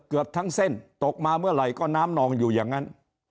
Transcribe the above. เกือบทั้งเส้นตกมาเมื่อไหร่ก็น้ำนองอยู่อย่างนั้น